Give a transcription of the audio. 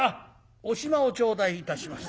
「お暇を頂戴いたします」。